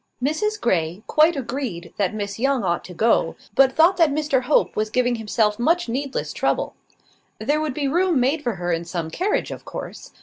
Mrs Grey quite agreed that Miss Young ought to go, but thought that Mr Hope was giving himself much needless trouble; there would be room made for her in some carriage, of course.